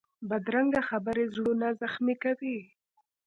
بدرنګه خبرې زړونه زخمي کوي